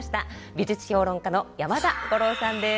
美術評論家の山田五郎さんです。